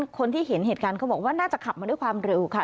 คนที่เห็นเหตุการณ์เขาบอกว่าน่าจะขับมาด้วยความเร็วค่ะ